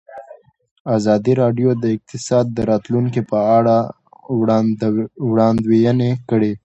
ازادي راډیو د اقتصاد د راتلونکې په اړه وړاندوینې کړې.